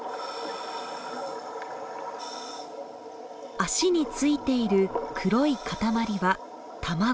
脚に付いている黒い塊は卵。